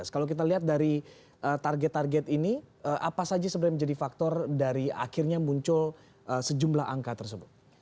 kalau kita lihat dari target target ini apa saja sebenarnya menjadi faktor dari akhirnya muncul sejumlah angka tersebut